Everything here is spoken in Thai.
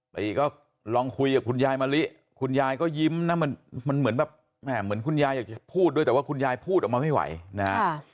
ติก็ลองคุยกับคุณยายมะลิคุณยายก็ยิ้มนะมันเหมือนแบบเหมือนคุณยายอยากจะพูดด้วยแต่ว่าคุณยายพูดออกมาไม่ไหวนะฮะ